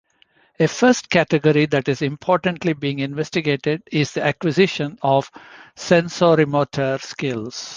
A first category that is importantly being investigated is the acquisition of sensorimotor skills.